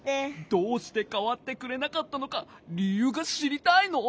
どうしてかわってくれなかったのかりゆうがしりたいの？